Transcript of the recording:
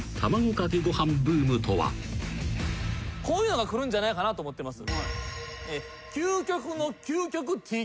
こういうのがくるんじゃないかなと思ってます。